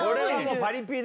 パリピだ。